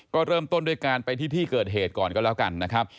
ก็เริ่มต้นด้วยการไปที่ที่เกิดเหตุก่อนก็แล้วกันนะครับ